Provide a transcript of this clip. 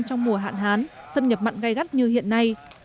trong mùa hạn hán xâm nhập mặn gai gắt như hiện nay